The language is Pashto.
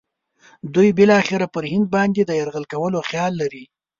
دوی بالاخره پر هند باندې د یرغل کولو خیال لري.